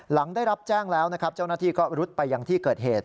หลังได้รับแจ้งแล้วนะครับเจ้าหน้าที่ก็รุดไปยังที่เกิดเหตุ